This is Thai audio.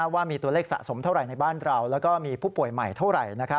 ว่ามีตัวเลขสะสมเท่าไหร่ในบ้านเราแล้วก็มีผู้ป่วยใหม่เท่าไหร่